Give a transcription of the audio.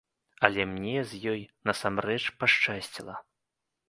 Але мне з ёй насамрэч пашчасціла.